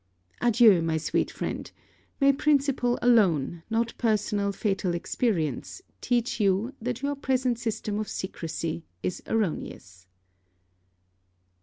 Adieu, my sweet friend: may principle alone, not personal fatal experience, teach you, that your present system of secresy is erroneous.